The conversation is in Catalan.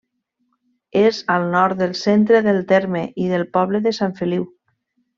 És al nord del centre del terme, i del poble de Sant Feliu.